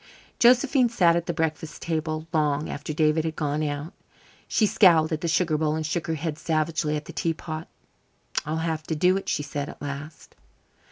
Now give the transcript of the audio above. Josephine sat at the breakfast table long after David had gone out. She scowled at the sugar bowl and shook her head savagely at the tea pot. "I'll have to do it," she said at last.